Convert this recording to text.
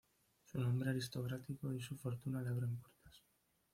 Su nombre aristocrático y su fortuna le abren puertas.